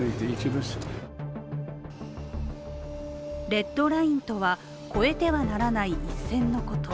レッドラインとは越えてはならない一線のこと。